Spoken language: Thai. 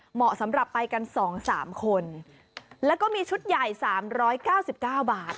เหมาะสำหรับไปกันสองสามคนแล้วก็มีชุดใหญ่สามร้อยเก้าสิบเก้าบาท